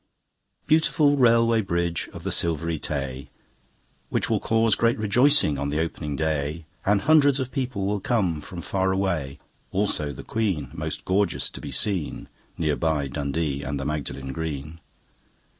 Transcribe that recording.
Beautiful Railway Bridge of the Silvery Tay ! Which will cause great rejoicing on the opening day And hundreds of people will come from far away, Also the Queen, most gorgeous to be seen, Near by Dundee and the Magdalen Green.